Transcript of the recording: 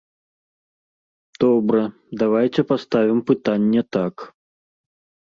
Добра, давайце паставім пытанне так.